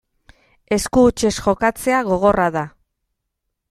Esku hutsez jokatzea gogorra da.